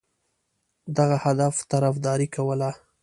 دغه هدف طرفداري کوله.